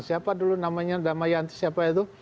siapa dulu namanya damayanti siapa itu